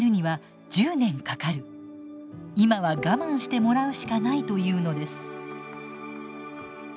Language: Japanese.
今は我慢してもらうしかない」と言うのです。